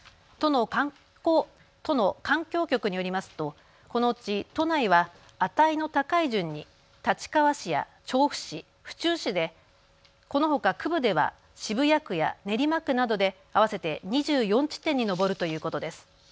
都の環境局によりますとこのうち都内は値の高い順に立川市や調布市、府中市でこのほか区部では渋谷区や練馬区などで合わせて２４地点に上るということです。